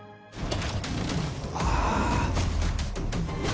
ああ！